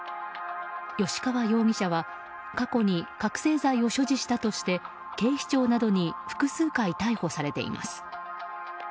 吉川容疑者は過去に覚醒剤を所持したとして警視庁などに複数回逮捕されています。